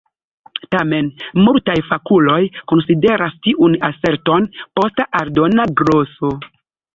Tamen, multaj fakuloj konsideras tiun aserton posta aldona gloso.